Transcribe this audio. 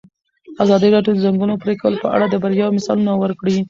ازادي راډیو د د ځنګلونو پرېکول په اړه د بریاوو مثالونه ورکړي.